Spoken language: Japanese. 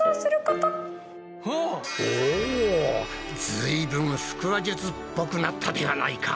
ずいぶん腹話術っぽくなったではないか。